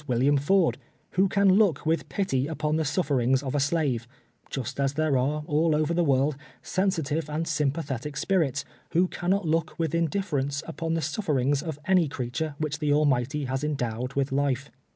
liaiii Ford — who can look Avitli pity upon the suflfer ings of a shive, just as there are, over all the Avorkl, sensitive and 9yni])atlictic !*})irits, "svlio cannot look Avith indilt'erence upon the suti'erings of any creature ■wliieh the .Vhuighty has endowed with life.